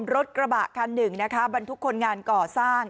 รถกระบะคันหนึ่งนะคะบรรทุกคนงานก่อสร้าง